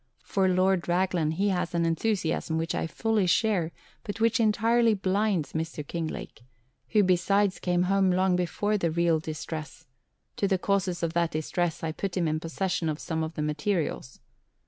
For Lord Raglan he has an enthusiasm which I fully share but which entirely blinds Mr. Kinglake, who besides came home long before the real distress, to the causes of that distress. I put him in possession of some of the materials.